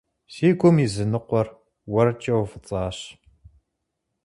Си гум и зы ныкъуэр уэркӀэ уфӀыцӀащ.